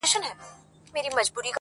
په بدل کي دي غوايي دي را وژلي.!